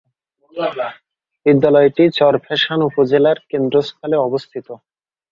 বিদ্যালয়টি চরফ্যাশন উপজেলার কেন্দ্রস্থলে অবস্থিত।